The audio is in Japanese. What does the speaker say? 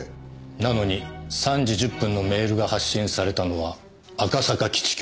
なのに３時１０分のメールが発信されたのは赤坂基地局。